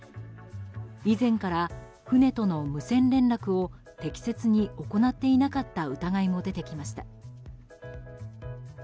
以前から、船との無線連絡を適切に行っていなかった疑いも出てきました。